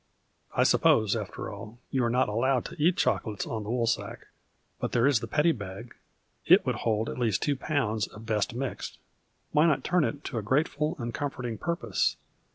I suppose, after all, you are not allowed to eat chocolates on the Woolsack. But there is the Petty liag. It would hold at least 2 lb. of best mixed. Why not turn it to a grateful and comforting purpose